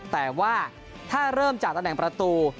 แต่ว่าถ้าเริ่มจากตำแหน่งประตู